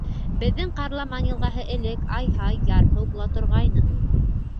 Беҙҙең Ҡарламан йылғаһы элек, ай-һай, ярһыу була торғайны.